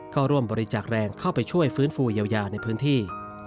ก็ร่วมบริจาคแรงเข้าไปช่วยฟื้นฟูเยียวยาในพื้นที่